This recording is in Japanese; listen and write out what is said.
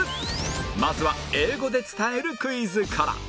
まずは英語で伝えるクイズから